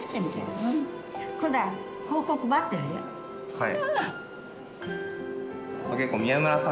はい。